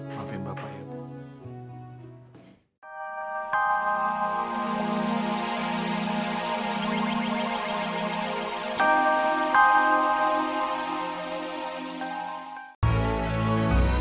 maafin bapak ya bu